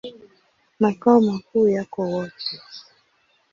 Makao makuu yako Wote.